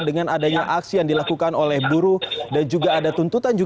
dengan adanya aksi yang dilakukan oleh buruh dan juga ada tuntutan